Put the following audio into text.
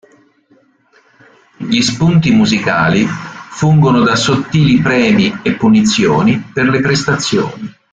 Gli spunti musicali fungono da sottili premi e punizioni per le prestazioni.